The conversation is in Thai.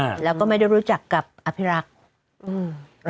แล้วก็ไม่ได้รู้จักกับอภิรักษ์อืม